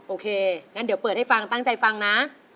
โอเคงั้นเดี๋ยวเปิดให้ฟังตั้งใจฟังนะ